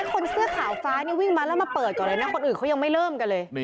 คนเสื้อขาวฟ้านี่วิ่งมาแล้วมาเปิดก่อนเลยนะคนอื่นเขายังไม่เริ่มกันเลย